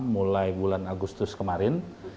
mulai bulan agustus kemarin